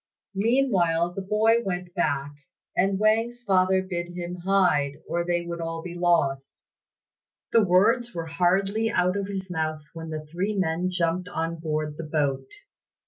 Meanwhile, the boy went back, and Wang's father bade him hide, or they would all be lost. The words were hardly out of his mouth when the three men jumped on board the boat.